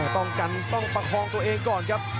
ต้องกันต้องประคองตัวเองก่อนครับ